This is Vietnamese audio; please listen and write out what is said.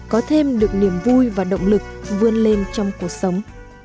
có thêm được niềm vui và động lực vươn lên trong cuộc sống